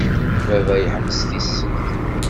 Baba yeḥbes tissit.